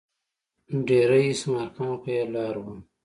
دېره اسمعیل خان خو یې لار وه.